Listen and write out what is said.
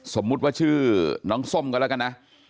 สมมุติว่าชื่อน้องส้มก็แล้วกันนะ